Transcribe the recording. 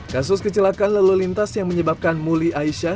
kasus kecelakaan lalu lintas yang menyebabkan muli aisyah